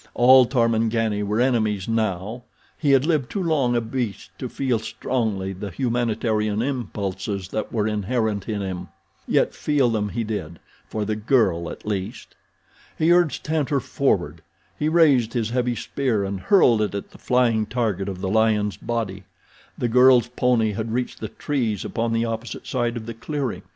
All Tarmangani were enemies now. He had lived too long a beast to feel strongly the humanitarian impulses that were inherent in him—yet feel them he did, for the girl at least. He urged Tantor forward. He raised his heavy spear and hurled it at the flying target of the lion's body. The girl's pony had reached the trees upon the opposite side of the clearing.